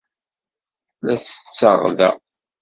La setteɣ da.